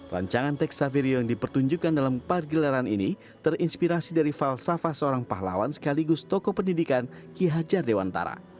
rancangan teksavirio yang dipertunjukkan dalam pargelaran ini terinspirasi dari falsafah seorang pahlawan sekaligus tokoh pendidikan ki hajar dewantara